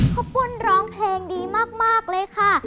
ข้าวปุ้นร้องเพลงดีมากเลยค่ะ